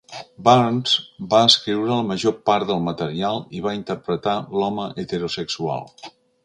Burns va escriure la major part del material i va interpretar l'home heterosexual.